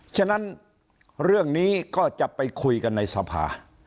ฉะนั้นเรื่องนี้ก็จะไปคุยกันในสภา